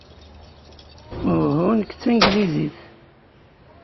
Uhu, nekk d tanglizit.